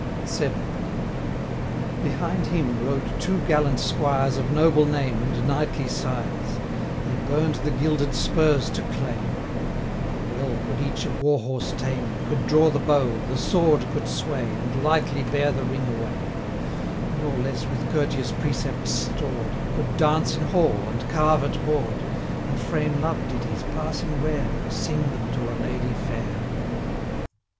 VII. Behind him rode two gallant squires, Of noble name, and knightly sires; They burn'd the gilded spurs to claim: 95 For well could each a warhorse tame, Could draw the bow, the sword could sway, And lightly bear the ring away; Nor less with courteous precepts stored, Could dance in hall, and carve at board, 100 And frame love ditties passing rare, And sing them to a lady fair.